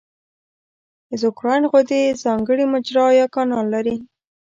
اګزوکراین غدې ځانګړې مجرا یا کانال لري.